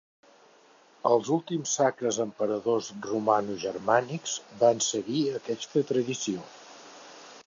Els últims sacres emperadors romanogermànics van seguir aquesta tradició.